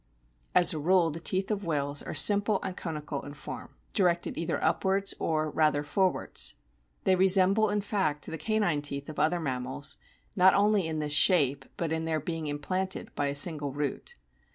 As a rule the teeth of whales are simple and conical in form, directed either upwards or, rather, forwards. They resemble in fact the canine teeth of other mammals, not only in this shape, but in their being implanted by a single root.